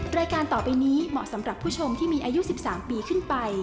รายการต่อไปนี้เหมาะสำหรับผู้ชมที่มีอายุ๑๓ปีขึ้นไป